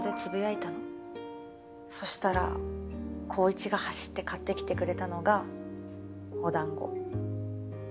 そしたら紘一が走って買ってきてくれたのがお団子。